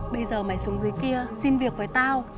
bây giờ máy xuống dưới kia xin việc với tao